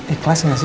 ikhlas gak sih